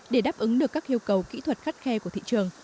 để đáp ứng được các yêu cầu kỹ thuật khắt khe của thị trường